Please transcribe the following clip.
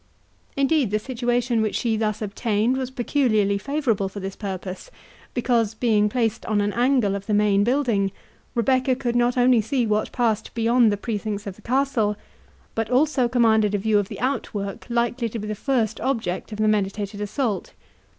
Indeed the situation which she thus obtained was peculiarly favourable for this purpose, because, being placed on an angle of the main building, Rebecca could not only see what passed beyond the precincts of the castle, but also commanded a view of the outwork likely to be the first object of the meditated assault.